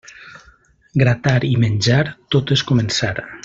Gratar i menjar tot és començar.